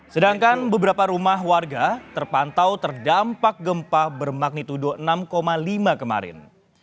sedangkan beberapa rumah warga terpantau terdampak gempa bermagnitudo enam lima kemarin